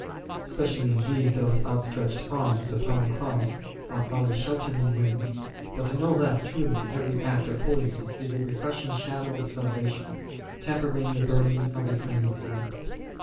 Specially indeed those outstretched Arms upon the Cross are our sheltering wings, but no less truly every act of holiness is a refreshing shadow of salvation, tempering the burning of a flaming world.